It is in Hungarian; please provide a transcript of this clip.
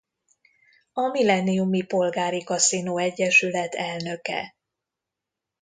A Millenniumi Polgári Kaszinó Egyesület elnöke.